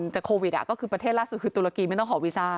แต่โควิดก็คือประเทศล่าสุดคือตุรกีไม่ต้องหอบวีซ่า